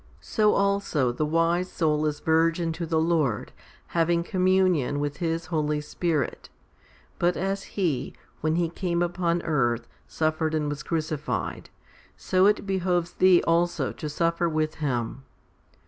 So also the wise soul is virgin to the Lord, having 1 Matt. xix. 21; T 238 FIFTY SPIRITUAL HOMILIES communion with His Holy Spirit. But as He, when He came upon earth, suffered and was crucified, so it behoves thee also to suffer with Him.